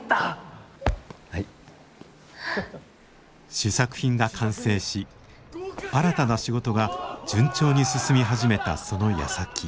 試作品が完成し新たな仕事が順調に進み始めたそのやさき。